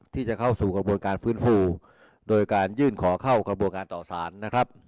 ที่จะเข้าสู่กระบวนการฟื้นฟูโดยการยื่นขอเข้ากระบวนการต่อสารนะครับ